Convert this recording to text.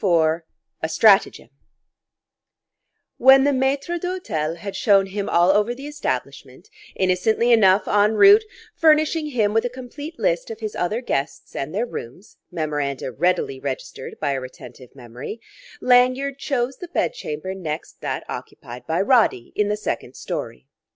IV A STRATAGEM When the maitre d'hôtel had shown him all over the establishment (innocently enough, en route, furnishing him with a complete list of his other guests and their rooms: memoranda readily registered by a retentive memory) Lanyard chose the bed chamber next that occupied by Roddy, in the second storey.